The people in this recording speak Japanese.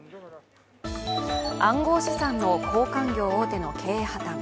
暗号資産の交換業大手の経営破綻。